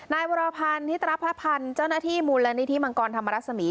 นายวรพันธ์นิตรพพันธ์เจ้าหน้าที่มูลนิธิมังกรธรรมรสมี